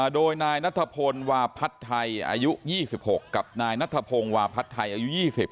โดยนายนัทพลวาพัฒน์ไทยอายุ๒๖กับนายนัทพงศ์วาพัฒน์ไทยอายุ๒๐